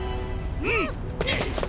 うん！